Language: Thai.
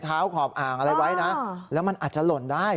ขอบอ่างอะไรไว้นะแล้วมันอาจจะหล่นได้